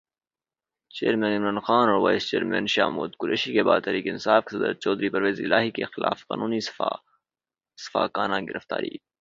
chairman Imran Khan اور vice chairman Shah Mahmood Qureshi کے بعد تحریک انصاف کے صدر چودھری پرویزالہٰی کی خلافِ قانون سفّاکانہ گرفتاری